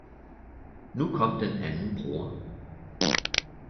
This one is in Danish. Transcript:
Nu kom den anden broder.